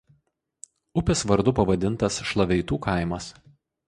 Upės vardu pavadintas Šlaveitų kaimas.